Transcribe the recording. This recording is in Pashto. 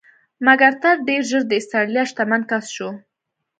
مک ارتر ډېر ژر د اسټرالیا شتمن کس شو.